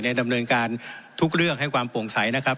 ดำเนินการทุกเรื่องให้ความโปร่งใสนะครับ